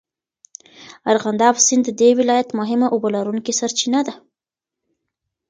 ارغنداب سیند د دې ولایت مهمه اوبهلرونکې سرچینه ده.